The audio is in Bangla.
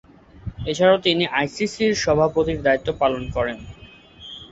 এছাড়াও তিনি আইসিসি’র সভাপতির দায়িত্ব পালন করেন।